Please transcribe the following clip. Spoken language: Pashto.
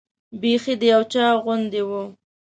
بیخي د یو چا غوندې وه.